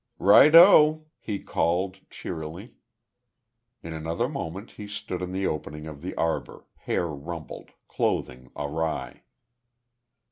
"Right, oh!" he called, cheerily. In another moment he stood in the opening of the arbor, hair rumpled, clothing awry.